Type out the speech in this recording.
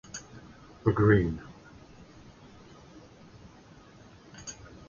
The green!